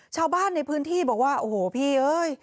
ชาวบ้านในพื้นที่บอกว่าโอ้โหพี่เอ้ย